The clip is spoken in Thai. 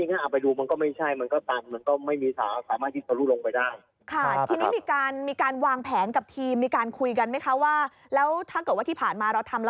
หลังจากนั้นใช้ไฟเคมีแค่นี้ใช่ไหมคะ